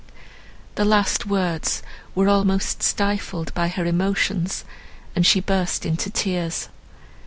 The last words were almost stifled by her emotions, and she burst into tears.